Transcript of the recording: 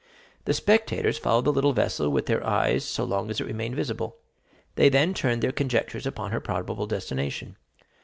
The spectators followed the little vessel with their eyes as long as it remained visible; they then turned their conjectures upon her probable destination.